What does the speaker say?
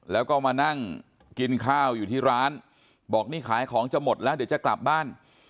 แล้วก็มานั่งกินข้าวอยู่ที่ร้านบอกนี่ขายของจะหมดแล้วเดี๋ยวจะกลับบ้าน